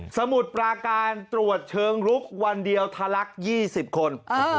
มุดปราการตรวจเชิงลุกวันเดียวทะลัก๒๐คน